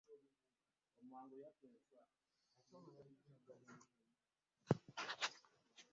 Aboogezi bano balina okwewala engero ebisoko n’ebigambo bye bateekakasa makulu gaabyo.